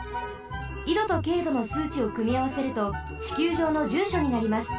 緯度と経度のすうちをくみあわせるとちきゅうじょうのじゅうしょになります。